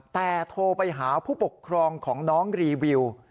แต่โทรไปหาผู้ปกครองของน้องรีวิว